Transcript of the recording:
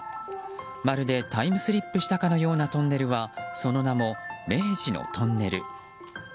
まるでタイムスリップしたかのようなトンネルはその名も、明治のトンネル。